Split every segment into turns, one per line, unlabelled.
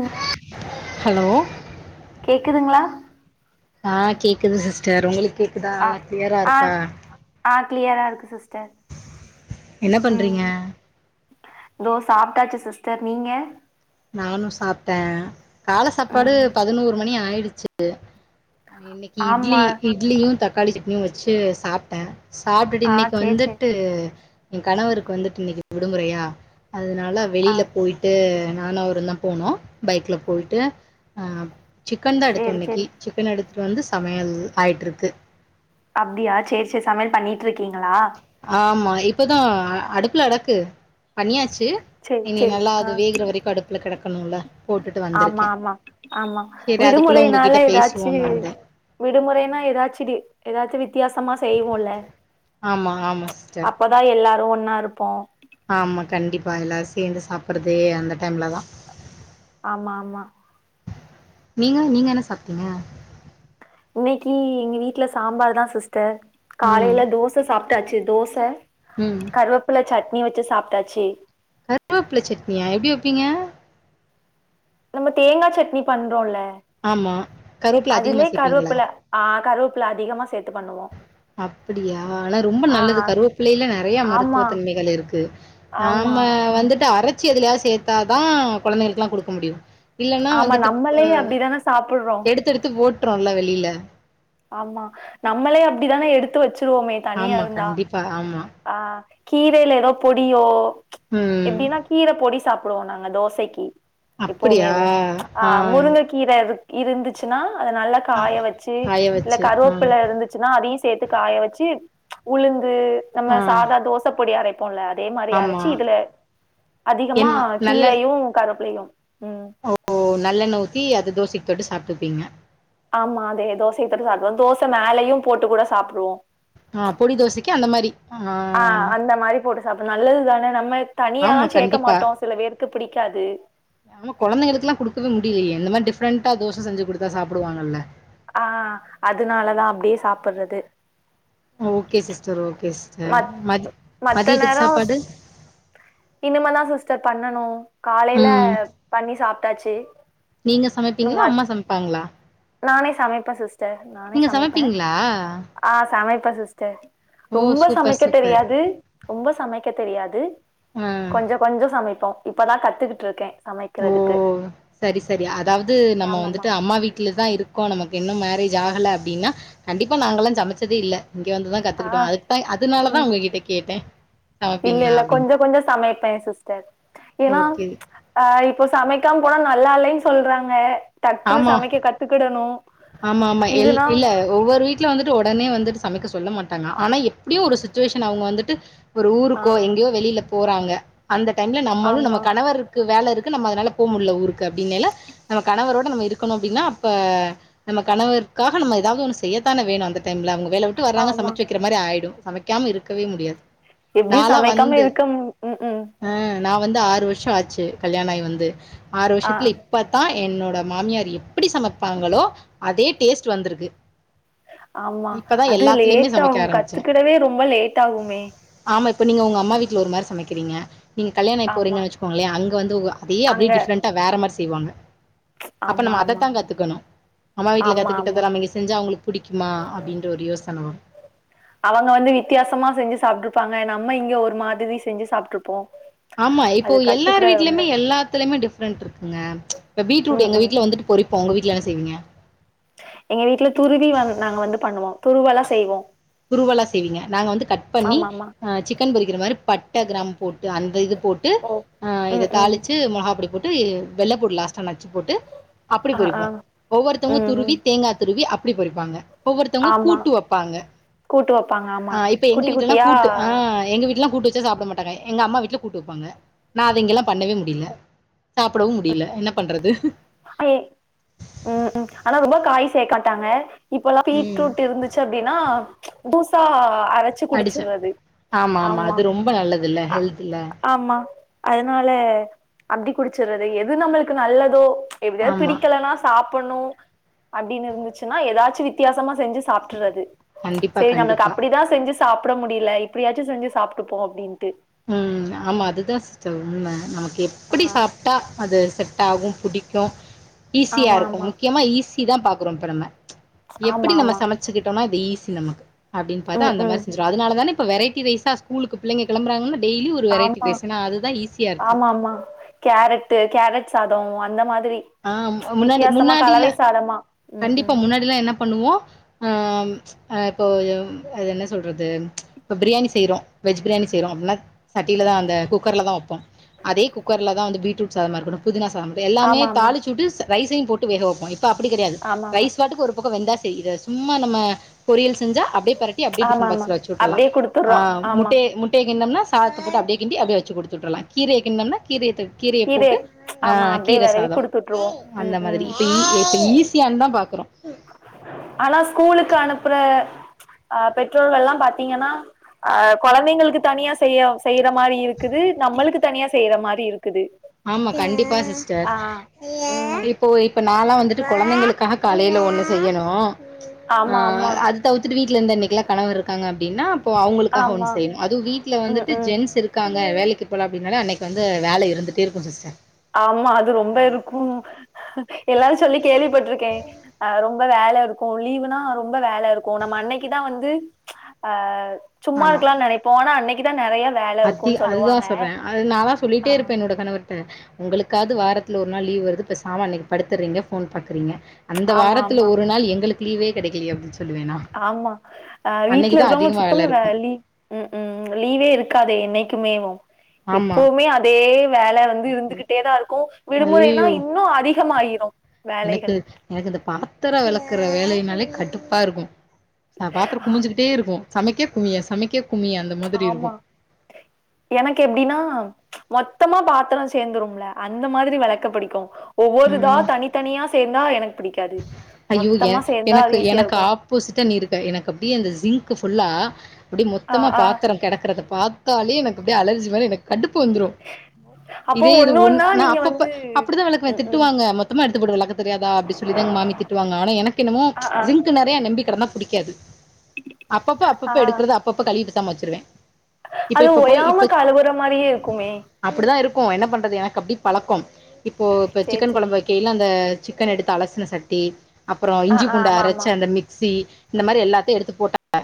ங்களா
ஹலோ
கேக்குதுங்களா
ஆ கேக்குது சிஸ்டர் உங்களுக்கு கேக்குதா
ஆ
நல்லா கிளியரா
ஆ
இருக்கா
ஆ கிளியரா இருக்கு சிஸ்டர்
என்ன பண்றீங்க
ம் தோ சாப்ட்டாச்சு சிஸ்டர் நீங்க
நானும் சாப்ட்ட கால சாப்பாடு
ம்
பதினோரு மணி ஆயிடுச்சு இன்னைக்கு இட்லி
ஆமா
இட்லியு தக்காளி சட்னியு வச்சு சாப்ட்ட சாப்ட்டுட்டு
ஆ
இன்னைக்கு
சேரி சேரி
வந்துட்டு என் கணவருக்கு வந்துட்டு இன்னக்கி விடுமுறையா அதனால
ஆ
வெளியில போய்ட்டு நானு அவருதா போனோ பைக்ல போயிட்டு அ சிக்கன் தா எடுத்துதோ
சேரி
இன்னைக்கு
சேரி
சிக்கன் எடுத்துகிட்டு வந்து சமையல் ஆகிட்டுருக்கு
அபடியா செரி செரி சமையல் பண்ணிட்டுருக்கீங்களா
ஆமா இப்பதா அடுப்புல அடக்கு பண்ணியாச்சு டு
சேரி
இனி
சேரி
நல்லா அது
ஆ
வேகுற வரைக்கு அடுப்புல கெடக்கணும்ல போட்டுட்டு வந்துருக்க
ஆமா ஆமா ஆமா விடுமுறையினால ஏதாச்சு
பேசுவோன்னு வந்தே
விடுமுறைனா ஏதாச்சு டி ஏதாச்சு வித்தியாசமா செய்வோ பொல
ஆமா ஆமா சிஸ்டர்
அப்பதா எல்லாரு ஒன்னா இருப்போ
ஆமா கண்டிப்பா எல்லாரு சேந்து சாப்பறது அந்த டைம்ல தா
ஆமா ஆமா
நீங்க நீங்க என்ன சாப்ட்டீங்க
இன்னைக்கு எங்க வீட்டுல சாம்பார் தான் சிஸ்டர்
ம்
காலையில தோச சாப்ட்டாச்சு தோச
ம்
கருவேப்புள்ள சட்னி வச்சி சாப்ட்டாச்சி
கருவேப்புள்ள சட்னியா எப்டி வைப்பீங்க
நம்ம தேங்கா சட்னி பண்றோல
ஆமா கருவேப்புள்ள அதிகமா சேப்பீங்களா
ஆ கருவேப்புள்ள அதிகமா சேர்த்து பண்ணுவோ
அப்படியா ஆனா ரொம்ப நல்லது கருவப்பிள்ளையில நெறைய
ஆமா
மருத்துவத்தன்மைகள் இருக்கு
ஆமா
நாம வந்துட்டு அரைச்சு எதுலையாவது சேர்த்தாதா குழந்தைகளுக்கெல்லா கொடுக்க முடியு இல்ன்னா
ஆமா
வந்துட்டு
நம்மளே
ஆ
அப்டிதான சாப்புட்றோம்
எடுத்து எடுத்து போட்டுறோல வெளியில
ஆமா நம்மளே அப்படிதான எடுத்து வச்சிருவோமே தனியா
ஆமா,
இருந்தா
கண்டிப்பா. ஆமா.
ஆ கீரையில ஏதோ பொடியோ
ம்.
எப்படின்னா கீர பொடி சாப்டுவோ நாங்க தோசைக்கு எப்பவுமே
அப்படியா?
ஆ முருங்கைக் கீர இரு இருந்துச்சுன்னா அத நல்லா
ஆ.
காய வச்சு
காய
இல்ல
வச்சு. ஆ.
கருவேப்பில இருந்துச்சுன்னா அதையு சேர்த்து காய வச்சு உளுந்து நம்ம
ஆ.
சாதா தோச பொடி அரைப் போம்ல அதே மாரி
ஆமா.
அரச்சி இதுல அதிகமா
என் நல்ல
கீரையு கருப்பிலையு ம்
ஒ நல்லெண்ணெய் ஊத்தி அது தோசைக்கு தொட்டு சாப்டுப்பீங்க
ஆமா அதே தோசைக்கு சாப்பிடுவோ தோசை மேலையு போட்டு கூட சாப்பிடுவோம்
ஆ பொடி தோசைக்கு அந்த மாரி.
ஆ அந்த மாரி போட்டு சாப்பிடலா நல்லதுதானே நம்ம தனியால்லா
ஆமா,
சேக்க
கண்டிப்பா.
மாட்டோ சில பேருக்கு பிடிக்காது
நம்ம கொலந்தைகளுக்கெல்லா குடுக்கவே முடியலையே இந்த மாரி டிஃப்ரண்டா தோச செஞ்சு கொடுத்தா சாப்டுவாங்கல்ல
ஆ அதனாலதா அப்படியே சாப்படுறது
ஓகே சிஸ்டர் ஓகே சிஸ்டர்
மத்
மதி மதியத்துக்கு சாப்பாடு
இனிமதா சிஸ்டர் பண்ணனு காலைல
ம்
பண்ணி சாப்ட்டாச்சு
நீங்க
இன்னு
சமைப்பீங்ளா
மத்
அம்மா சமப்பாங்ளா
நானே சமைப்ப சிஸ்
நீங்க சமைப்பீங்ளா
ஆ சமைப்ப சிஸ்டர் ரொம்ப
சூப்பர்
சமைக்க
சூப்பர்
தெரியாது ரொம்ப சமைக்க தெரியாது
ஆ
கொஞ்ச கொஞ்ச சமைப்போ இப்பதா கத்துக்குட்ருக்கே
ஓ சரி சரி அதாவ்து நம்ம
ஆமாமா
வந்துட்டு அம்மா வீட் ட்லி தா இருக்கோ நமக்கு இன்னு மேரேஜ் ஆகல அப்டின்னா கண்டிப்பா நாங்கல்லா சமச்சதே இல்ல இங்க வந்துதா கத்துக்குட்டோ
ஆ
அதுக்தா அதுனாலதா
ம்
உங்ககிட்ட கேட்டே
இல்ல
சமைப்பீங்களா
இல்ல
அப்டின்னு
கொஞ்ச கொஞ்சோ சமைப்பே சிஸ்டர் ஏனா
ஓகே
அ இப்போ சமைக்காம் போனா நல்லால்லைன் சொல்றாங்க டக்குனு
ஆமா
சமைக்க கத்துக்குடணு
ஆமா, ஆமா. எல்
இதுனா
இல்ல ஒவ்வொரு வீட்ல வந்துட்டு ஒடனே வந்துட்டு சமைக்க சொல்ல மாட்டாங்க ஆனா எப்ட்யு ஒரு சுச்சுவேஷன் அவுங்க வந்துட்டு ஒரு
ஆ
ஊருக்கோ எங்யோ வெளில போறாங்க அந்த டைம்ல நம்மளு நம்ம
ஆமா
கணவர் கு வேல இருக்கு நம்ம அதனால போ முட்ல ஊருக்கு அப்டின்னேல நம்ம கணவரோ நம்ம இருக்கணு அப்டின்னா அப்ப நம்ம கணவருக்காக நம்ம எதாவ்து ஒன்னு செய்யத்தான வேணு அந்த டைம்ல அவ்ங்க வேல உட் ட்டு வராங்க
ஆமா
சமச்சு வக்கிற மாரி ஆயிடு சமைக்காம இருக்கவே முடியாது
எப்டி
நான்லாம்
சமைக்காம
வந்து
இருக்கம் ஹு ஹு
அ நா வந்து ஆறு வர்ஷ ஆச்சு கல்யாண ஆய் வந்து ஆறு
ஆ
வர்ஷத்ல இப்பத்தா என்னோட மாமியார் எப்புடி சமப்பாங்களோ அதே டேஸ்ட் வந்துருக்கு
ஆமா அது லேட்
சமைக்க
ஆகு
ஆரம்பிச்சே
கத்துக்குடவே ரொம்ப லேட் ஆகுமே
ஆமா இப்ப நீங்க உங்க அம்மா வீட்ல ஒரு மாரி சமக்கிறீங்க நீங்க கல்யாண ஆய்
ஆமா
போரீங்கன் வச்சிக்கோங்ளிய அங்க வந்து ஒ அதே
அங்க
அப்டியே டிஃப்ரெண்டா வேற மார் செய்வாங்க அப்ப
ஆமா
நம்ம
ஆமா
அதத்தா கத்துக்கணு அம்மா வீட்ல
ஆமா ஆமா
கத்துக்குட்டத நம்ம இங்க செஞ்சு அவுங்ளுக் புடிக்கிமா அப்டின்ற ஒரு யோசன வரு
அவங்க வந்து வித்யாசமா செஞ்சி சாப்ட்ருப்பாங்க நம்ம இங்க ஒரு மாதுரி செஞ்சு சாப்ட்ருப்போ
ஆமா இப்போ
அது
எல்லார்
கத்துக்கிட ரொம்ப
வீட்லிய்மே எல்லாத்துலய்மே டிஃப்ரெண்ட் இர்க்குங்க இப்ப பீட்ரூட்
ம்
எங்க
ம்
வீட்ல வந்துட்டு பொறிப் போ ஒங்க வீட்ல என்ன செய்வீங்க
எங்க வீட்ல துருவி வந் நாங்க வந்து பண்ணுவோ துருவலா செய்வோ
குருவலா செய்வீங்க நாங்க வந்து கட் பண்ணி
ஆமா ஆமா
அ சிக்கன் பொறிக்கிற மாரி பட்ட கிராம் போட்டு அந்த இது போட்டு
ஓ
அ இத
ம் ம்
தாளிச்சு மொளகாப்பொடி போட் டு வெள்ளப்பூடு லாஸ்டு நச்சு போட்டு அப்புடி
ஆ ஆ
பொறிப்போ ஒவ்வொருத்தவ்ங்க
ம் ம்
துருவி தேங்கா துருவி அப்டி பொறிப்பாங்க ஒவ்வொருத்தவ்ங்க
ஆமா
கூட்டு வப்பாங்க
கூட்டு வப்பாங்க ஆம்
அ இப்ப எங்க வீட்லல்லா கூட்டு ஆ எங்க வீட்லலா கூட்டு வச்சா சாப்ட மாட்டாங்க எங்க அம்மா வீட்ல கூட்டு வப்பாங்க நா அத இங்கெல்லா பண்ணவே முடில சாப்புடவு முடிய்ல என்ன பண்றது
ஏ ம் ம் ஆனா ரொம்ப காய் சேக்காட்டாங்க இப்போல்லா
ம்
பீட்ரூட் இருந்துச் ச்சு அப்டினா பூசா அரச்சு
அடிச்ச
குடிச்சிற்றது ஆமா
அது ரொம்ப நல்லதுல்ல ஹெல்த்ல
ஆமா அதுனால அப்டி குடிச்சற்றது எது நம்மளுக்கு நல்லதோ எப்டியாது
ஆமா
பிடிக்கலனா சாப்பணு அப்டின்னு இர்ந்துச்சுனா எதாச்சு வித்தியாசமா செஞ்சு சாப்ட்டுறது
கண்டிப்பா
சேரி நம்ளுக்கு
கண்டிப்பா
அப்புடிதா செஞ்சுஸ் சாப்ட முடில இப்டியாச்சு செஞ்சு சாப்ட்டுப்போ அப்டின்ட்டு
ம் ஆமா அதுதா சிஸ்டர் உண்ம நமக்கு எப்புடி
ஆ
சாப் ட்டா அது செட்டாகு புடிக்கு ஈஸியா
ஆமா
இருக்கு முக்கியமா ஈஸிதா பாக்குறோ இப்ப நம்ம
ஆமா
எப்புடி
ஆமா
நம்ம
ஆமா
சமச்சுக்கிட்டோனா இது ஈஸி நமக்கு அப்டின் பாத்து
ம்
அந்த
ம்
மாரி செஞ்சுருவோ அதுனாலதான இப்ப வெரைட்டி ரைஸா ஸ்கூலுக்கு பிள்ளைங்க கெளம்புறாங்கன்னு டெய்லி ஒரு வெரைட்டி
ஆமா
ரைஸுனா அதுதா ஈஸியா இருக்கு
ஆமா ஆமா கேரட்டு கேரட் சாதோ அந்த மாதிரி
ஆ முன்னாடி
வித்தியாசமா
முன்னாடில
கலவை சாதமா ம்
கண்டிப்பா
ம்
முன்னாடிலா என்ன பண்ணுவோ ஆம் ஆ இப்போ ஒயம் அது என்ன சொல்றது இப்ப பிரியாணி செய்றோ வெஜ் பிரியாணி செய்றோ அப்புனா சட்டியில தா அந்த குக்கர்ல தா வப்போ அதே குக்கர்ல தா வந்து பீ்ட்ரூட் சாதமா இருக்கட்டு புதினா சாத எல்லாமே
ஆமா ஆமா ஆமா
தாலிச்சுட்டு ரைஸையு போட்டு வேக வப்போ இப்ப அப்புடி கெடையாது
ஆமா
ரைஸ் வாட்டுக்கு ஒரு பக்கோ வெந்தா சே இத சும்மா நம்ம பொரியல் செஞ்சா அப்டியே பெரட்டி அப்டியே
ஆமா
டிஃபுன்
ஆமா
பாக்ஸ்ல வச்சு உட்ருலா
அப்டியே
ஆ
குடுத்துர்றோ ஆமா
முட்டய முட் டயே கிண்னம்னா சாதத்த போட்டு அப்டியே கிண்டி அப்டியே வச்சு குடுத்து உட்ருலா கீரய கிண்னம்னா கீரைய தூவ் கீரைய போட்டு ஆ
ஆமா அப்டியே
கீர
வெதவி
சாதோ
குடுத்து விட்டுருவோம்
அந்த
ம்
மாதிரி
ம்
இப்ப ஈ இப்ப ஈஸியான்தா பாக்குறோ
ஆனா ஸ்கூலுக்கு அனுப்புற அ பெற்றோர்கள்லா பாத்தீங்கனா ஆ கொழந்தைங்களுக்கு தனியா செய்ய செய்ற மாரி இருக்குது நம்மளுக்கு தனியா செய்ற மாரி இருக்குது
ஆமா கண்டிப்பா சிஸ்டர்
ஆ ம்
இப் போ இப்ப நாலா வந்துட்டு கொழந்தைங்களுக்காக காலைல ஒன்னு செய்யணு
ஆமா ஆமா
அது தவுர்த்துட்டு வீட்ல இந்தா இன்னைக்குலா கணவர் இருக்காங்க அப்டினா அப்போ அவுங்களுக்காக ஒன்னு
ஆமா
செய்யணு அதூ வீட்ல
ம்
வந்துட்டு
ம்
ஜென்ஸ் இரு க்காங்க வேலைக்கு போல அப்டினாலே அன்னைக்கு வந்து வேல இருந்துட்டே இருக்கு சிஸ்டர்
ஆமா அது ரொம்ப இருக்கூ எல்லாரு சொல்லி கேள்விப்பட்ருக்கே அ ரொ ம்ப வேல இருக்கு லீவுனா ரொம்ப வேல இருக்கு நம்ம அன்னைக்குதா வந்து ஆ சும்மா
ஆமா
இருக்குலான் நெனைப்போ ஆனா அன்னைக்குதா நெறையா வேல
அதி
இருக்குன்
அதுதா
சொல்லுவாங்க ஆ
இப்ப உங்களுக்காது வாரத்துல ஒரு நாள் லீவ் வருது பெசாம அன்னைக்கு படுத்துர்றீங்க ஃபோன் பாக்குறீங்க அந்த
ஆமா
வாரத்துல
ஆமா
ஒரு நாள் எங்களுக்கு லீவே கெடைக்கிலியே அப்டின் சொல்லுவே நா
ஆமா அ வீட்ல
அன்னைக்குதா
இருக்றவ்ங்க
அதிகமா
சுத்தமா
இருக்கு
வேல லீ ம் ம் லீவே இருக்காதே என்னைக்குமேவு
ஆமா
எப்போமே அதே வேல வ ந்து இருந்துகிட்டேதா இருக்கு விடுமுறைனா
ஐயயோ
இன்னு அதிகமாயிரு
எனக்கு
வேலைகள்
எனக்கு இந்த பாத்திரோ வெளக்குற வேலைனாலே கடுப்பா இருக்கு அ பாத்திரோ குமிஞ்சுகிட்டே இருக்கு சமைக்க குமிய சமைக்க குமிய அந்த மாதிரி இருக்கு
ஆமா எனக்கு எப்டினா மொத்தமா பாத்திரோ சேந்துரும்ல அந்த மாதிரி வெளக்க பிடிக்கு ஒவ்வொரு இதா
ம்
தனித்தனியா சேந்தா எனக் பிடிக்காது
ஐயோ ஏ
மொத்தமா சேந்தா அது
எனக்கு
ஈஸியா
எனக்கு
இருக்கு
ஆப் ஆப்போசிட்டா நீ இருக்க எனக்கு அப்டியே அந்த ஜிங்க்கு ஃபுல்லா அப்டியே
ஆ
மொத்தமா
ஆ
பாத்திரோ கெடக்குறத பா த்தாலே எனக்கு அப்டியே அலர்ஜி மாரி எனக் கடுப்பு வந்துரு
அப்போ
இதே இது
ஒண்ணு
ஒன்
ஒன்னா
ஆ நா
நீங்க
அப்பப்ப
வந்து
அப்புடிதா வெளக்குவே
ம் ம்
திட்டுவாங்க மொ த்தமா எடுத்துப் போட்டு வெளக்க தெரியாதா அப்டி சொல்லிதா எங்க மாமி தி ட்டுவாங்க ஆனா எனக்கு என்னமோ
ஆ ஆ
ஜிங்க்கு நெறையா நெம்பி கெடந்தா புடிக்காது அப்பப்ப அப்பப்ப
ஆ
எடுக்குறத அப் அப்பப்ப கழவி பெசாம் வச்சிருவே இப்ப
அது
இப்ப
ஒயாம கழுவுற மாரியே இருக்குமே
அப்புடிதா இருக்கு என்ன பண்றது எனக்கு அப்டி பழக்கோம் இப்போ இப்ப
சேரி
சிக்கன் கொழம்
சேரி
வை க்கேல அந்த சிக்கன் எடுத்து அலசுன சட்டி அப்புறோ
ஆ
இஞ்சி
ஆ
பூண்டு
ஆமா
அரச்ச
ஆமா
அந்த மிக்ஸி இந்த மாரி எல்லாத்தியு எடுத்து போட்டாக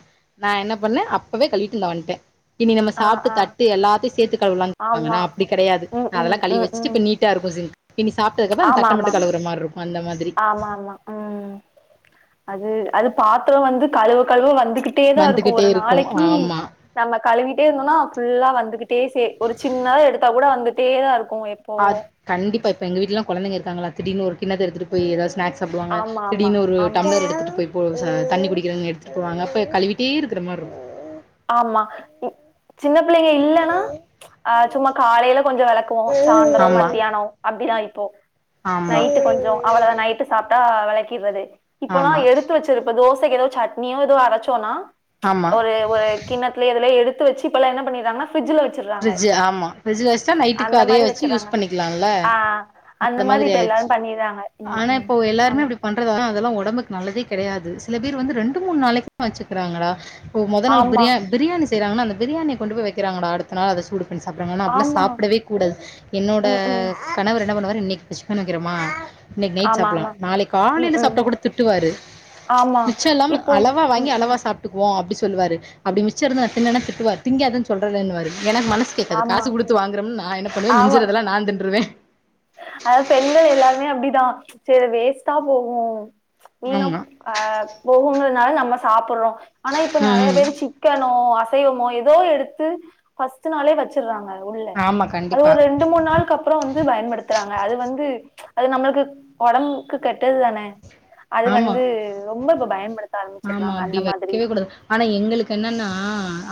நான் என்ன பண்ணேன் அப்பவே கழிவிட்டு இந்தா வன்ட்டே இனி நம்ம
ஆ
சாப்டு
ஆ
தட்டு எல்லாத்தையு சேத்து கழுவுலா ன்னாங்க நா
ஆமா
அப்டி கெடையாது
ம்
நா அதெல்லா
ம்
கழுவி
ம்
வச்சுட்டு
ம்
இப்ப நீ நீட்டாருக்கு ஜிங்க் இனி சாப்டதுக்கப்றோ அந்த
ஆமா
தட்ட
ஆமா
மட்டு கழுவுற மாரி இருக்கு அந்த மாதிரி
ஆமா ஆமா ம் அது அது பாத்துரோ வந்து கழுவ கழுவ வந்து கிட் டே தா இருக்கு
வந்துகிட்டே
ஒரு நாளைக்கி
ஆமா
நம்ம கழுவிட்டே இருந்தோம்னா ஃபுல்லா வந்துகிட்டே சே ஒரு சின்னதா எடுத்தா கூட வந்துட்டே தா இருக்கு
ஆ
எப்போவு
கண்டிப்பா இப்ப எங்க வீட்லெல்லா கொழந்தைங்க இருக்காங்களா திடீர்னு ஒரு கிண்ணத்த எடுத்துட்டு போயி ஏதாவது ஸ்நாக்ஸ் சாப்டுவாங்க
ஆமா ஆமா
திடீர்னு ஒரு
ஆமா
டம்ளர் எடுத்துட்டு போயி போ தண்ணி குடிக்கிறேனு எடுத்துட்டு போவாங்க அப்ப கழுவிட்டே இருக்கற மாரிருக்கு
ஆமா இ சின்ன பிள்ளைங்க இல்லனா அ சும்மா காலையில கொஞ்சோ வெளக்குவோ சாயந்தரோ
ஆமா
மத்தியானோ அப்டிதா இப்போ
ஆமா
நைட்டு கொஞ்சோ அவ்வளதா நைட்டு சாப்டா வெளக்கிட்றது இப்பெல்லா
ஆமா
எடுத்து வச்சிருப்ப தோசைக்கு ஏதோ சட்னியோ ஏதோ அரச்சோனா
ஆமா
ஒரு ஒரு கிண்ணத்தலயோ எதுலயோ எடுத்து வச்சு இப்பெல்லா என்ன பண்ணிறாங்கனா ஃபிரிட்ஜ்ல வச்
ஃரிட்ஜ் ஆமா ஃபிரிட்ஜல வச்சா நைட்டுக்கு
அந்த
அதே
மாரி
வச்சு யூஸ்
வச்சிர்றாங்க
பண்ணிக்கலால
ஆ
அந்த
மாரி
மாதிரி
இப்ப எல்லாரு
ஆயிடுச்சு
பண்ணிர்றாங்க ம்
ஆனா
ம்
இப்போ எல்லாருமே
ஆமா
அப்டி பண்றத அதெல்லா ஒடம்புக்கு நல்லதே கெடையாது சில பேர் வந்து ரெண்டு மூணு நாளைக்குல்லா வச்சுக்கிறாங்கடா இப்போ மொத நாள்
ஆமா
பிரியா பிரியாணி செய்யறாங்கனா அந்த பிரியாணிய கொண்டு போயி வைக்கிறாங்கடா அடுத்த நாள் அத சூடு பண்ணி சாப்படுறாங்க ஆனா அப்டியெல்லா
ஆமா
சாப்டவே கூடாது என்னோட
ம் ம்
கணவர் என்ன பண்ணுவாரு இன்னைக்கு ஃபிஸ் பண்ணி வைக்கிறோமா இன்னைக்கு நைட்
ஆமா
சாப்புட்லா
ஆமா
நாளைக்
ம்
காலையில
ம்
சாப்டா கூட திட்டுவாரு
ஆமா
மிச்சோ இல்லாம
இப்போ
அளவா வாங்கி
ம்
அளவா
ம்
சாப் வோ அப்டி சொல்லுவாரு அப்டி மிச்ச இருந்தா அத திண்ணேனா திட்டுவாரு திங்காதனு சொல்றேன்லனுவாரு எனக்கு மனசு ச அத
ஆமா
காசு குடுத்து வாங்கறம்னு நா என்ன பண்ணுவே மிஞ்சறதெல்லா நா தின்றுவே
அதா பெண்கள் எல்லாருமே அப்டிதா செரி வேஸ்ட்டா போகு வீனா போ
ஆமா.
அ போகுங்கிறனால நம்ம சாப்பிடுறோம் ஆனா இப்ப நெறையா
ம்.
பேரு சிக்கனோ அ சைவமோ எதோ எடுத்து ஃபஸ்ட்டு நாளே வச்சிட்றாங்க உள்ள
ஆமா
அது
கண்டிப்பா
ஒரு ரெண் டு மூணு நாளுக்கு அப்புறோ வந்து பயன்படுத்துறாங்க அது வந்து அது நம்மளுக்கு ஒடம்புக்கு கெட்டது தானே அது
ஆமா
வந்து ரொம்ப இப்ப பயன்படுத்த
ஆமா
ஆரம்பிச்சிடுறாங்க
அப்டி
அந்த மாதிரி
வைக்கவே கூடாது ஆனா எங்களுக்கு என்னெனா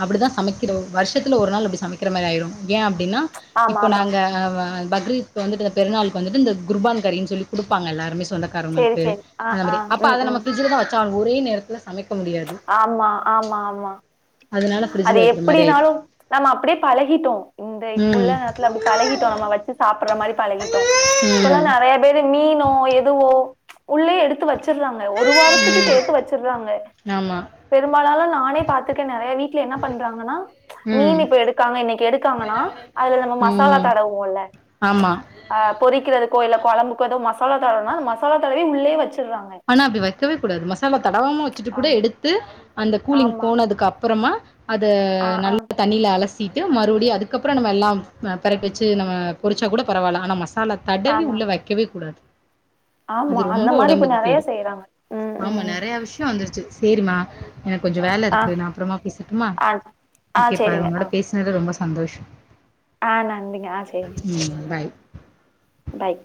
அப்டிதா சமைக்கிறோ வருஷத்துல ஒரு நாள் அப்டி சமைக்கிற மாதிரி ஆயிடு ஏ அப்டினா
ஆமா
இப்போ
ஆமா
நாங்க ஆ பக்ரீத்கு வந்துட்டு அந்த பெருநாளுக்கு வந்துட்டு இந்த குர்பான் கரின்னு சொல்லி குடுப்பாங்க எல்லாருமே சொந்த
சரி
காரங்களுக்கு
சரி ஆ
அந்த
ஆ
மாரி அப்ப
ம்
அத
ம்
நம்ம ஃப்ரிட்ஜ்ல தா வச்சாகனு ஒரே நேரத்துல சமைக்க முடியாது
ஆமா ஆமா ஆமா
அதனால
அது
ஃப்ரிட்ஜ்ல வைக்கிற மாரி ஆயிரு
எப்டினாலு நம்ம அப்டியே பழகிட்டோ இந்த இப்புள்ள
ம்
நேரத்துல அப்டி பழகிட்டோ நம்ம வச்சு சாப்புட்ற மாரி பழகிட்டோ இப்பெல்லா
ம்
நெறையா பேரு மீனோ எதுவோ உள்ளே எடுத்து வச் சுட்றாங்க ஒரு வாரத்துக்கு சேத்து வச்சடுறாங்க
ஆமா
பெரும்பாலானு நானே பாத்துருக்கே நெறையா வீட் ல என்ன பண்றாங்கனா
ம்
மீனு இப்ப எடுக்காங்க இன்னைக்கு எடுக்காங்கனா அதுல நம்ம மசாலா
ம்
தடவுவோல்ல
ஆமா
அ பொரிக்கிறதுக்கோ இல்ல கொழம்புக்கு ஏதோ மசாலா தடவுனா அந்த மசாலா தடவி உள்ளேயே வச்சுடுறாங்க
ஆனா அப்டி வைக்கவே கூடாது மசாலா தடவாம வச்சுட்டு கூட
ஆமா,
எடுத்து அந்த கூலிங்
ஆமா.
போனதுக்கு அப்புறமா அது
ஆ, ஆ,
நல்லா தண்ணில அல சிட்டு மறுபடியு அதுக்கப்றோ நம்ம எல்லா பெரட்டி வச்சு நம்ம பொரிச்சா கூட பரவால்ல ஆனா ம மசாலா தடவி
ஆமா.
உள்ள வக்கெவே கூடாது அது
ஆமா அந்த
ரொம்ப
மாரி இப்ப
ஒடம்புக்கு
நெறையா
கேடு
செய்றாங்க ம்
ஆமா
ம்
நெறையா விஷியோ வந்துருச்சு சேரிமா எனக்கு கொஞ்சோ வேல
ஆ
இருக்கு நா அப்றமா பேசட்டுமா
ஆ ஆ
ஓகே பாரு
சேரிங்க ஆ
உன்னோட பேசுனதுல ரொம்ப சந்தோஷோ
ஆ நன்றிங்க ஆ செரிங்க
ம் பாய்
பாய்